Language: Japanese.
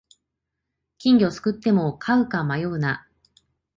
金魚すくっても飼うか迷うな